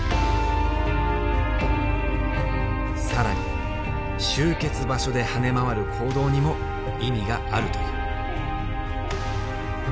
更に集結場所で跳ね回る行動にも意味があるという。